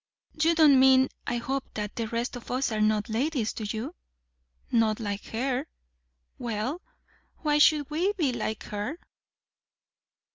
"You don't mean, I hope, that the rest of us are not ladies, do you?" "Not like her." "Well, why should we be like her?"